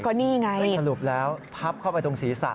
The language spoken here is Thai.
ก็นี่ไงสรุปแล้วทับเข้าไปตรงศีรษะ